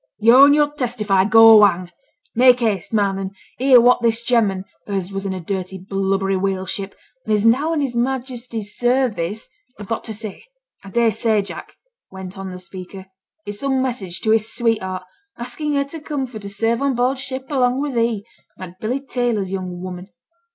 'Yo' and yo'r testify go hang. Make haste, man and hear what this gem'man, as was in a dirty blubbery whale ship, and is now in his Majesty's service, has got to say. I dare say, Jack,' went on the speaker, 'it's some message to his sweetheart, asking her to come for to serve on board ship along with he, like Billy Taylor's young woman.'